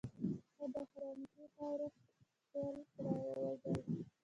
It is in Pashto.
هغه د امروهې خاوره ښکل کړه او وژړل